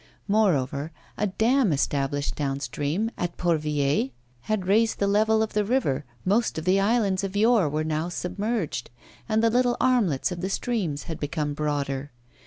Moreover, a dam established down stream at Port Villez had raised the level of the river, most of the islands of yore were now submerged, and the little armlets of the stream had become broader.